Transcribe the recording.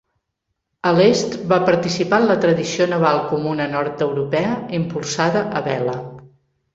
A l'est va participar en la tradició naval comuna nord-europea impulsada a vela.